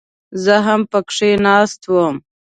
زه هم پکښې ناست وم.